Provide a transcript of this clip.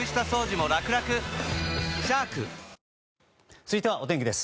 続いてはお天気です。